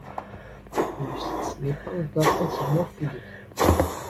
Le site n'est pas encore entièrement fouillé.